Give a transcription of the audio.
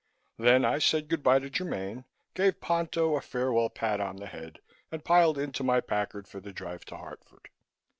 Then I said good bye to Germaine, gave Ponto a farewell pat on the head and piled into my Packard for the drive to Hartford.